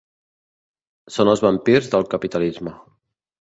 Són els vampirs del capitalisme.